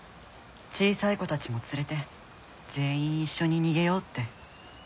小さい子たちも連れて全員一緒に逃げようって。